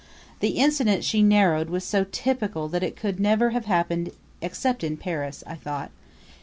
The incident she narrated was so typical that it could never have happened except in Paris, I thought.